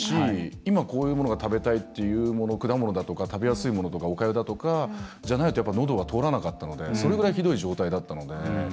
今、こういうものが食べたいっていうもの果物だとか食べやすいものおかゆだとかそういったものでないとのどは通らなかったのでそれぐらいひどい状態だったので。